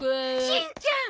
しんちゃん！